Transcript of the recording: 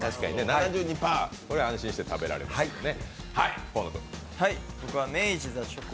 ７２％、これは安心して食べられますよね。